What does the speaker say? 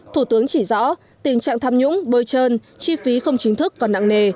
thủ tướng chỉ rõ tình trạng tham nhũng bôi trơn chi phí không chính thức còn nặng nề